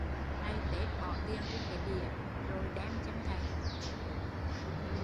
Ngày Tết bỏ tiền trên cái dĩa rồi đem dâng thầy